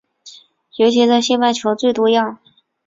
尤其在西半球最多样。